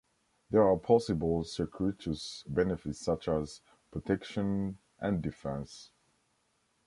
There are possible circuitous benefits such as protection and defense.